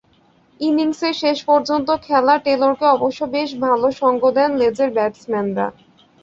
ইনিংসের শেষ পর্যন্ত খেলা টেলরকে অবশ্য বেশ ভালো সঙ্গ দেন লেজের ব্যাটসম্যানরা।